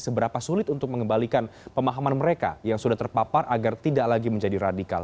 seberapa sulit untuk mengembalikan pemahaman mereka yang sudah terpapar agar tidak lagi menjadi radikal